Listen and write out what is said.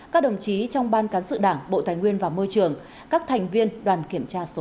các đồng chí trong ban cán sự đảng bộ tài nguyên và ngoại trưởng các thành viên đoàn kiểm tra số hai